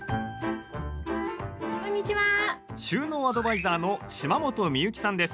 収納アドバイザーの島本美由紀さんです。